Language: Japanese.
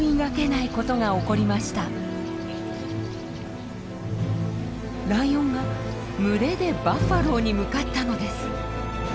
ライオンが群れでバッファローに向かったのです。